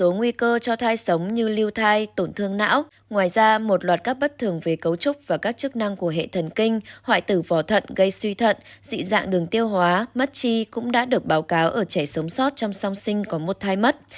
ngoài ra một loạt các bất thường về cấu trúc và các chức năng của hệ thần kinh hoại tử vỏ thận gây suy thận dị dạng đường tiêu hóa mất chi cũng đã được báo cáo ở trẻ sống sót trong song sinh có một thai mất